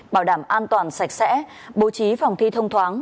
bảo đảm an toàn sạch sẽ bố trí phòng thi thông thoáng